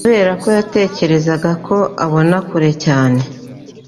Kuberako yatekerezaga ko abona kure cyane